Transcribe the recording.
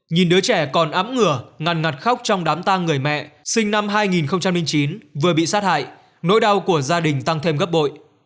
nhìn đứa trẻ còn ấm ngửa ngàn ngặt khóc trong đám tang người mẹ sinh năm hai nghìn chín vừa bị sát hại nỗi đau của gia đình tăng thêm cấp bội